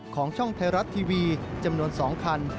ช่องไทยรัฐทีวีจำนวน๒คัน